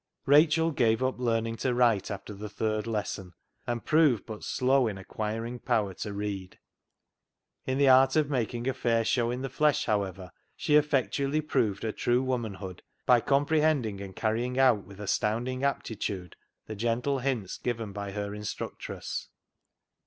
Rachel gave up learning to write after the third lesson, and proved but slow in acquiring power to read. In the art of making a fair show in the flesh, however, she effectually proved her true womanhood by comprehending and carry ing out with astounding aptitude the gentle hints given by her instructress.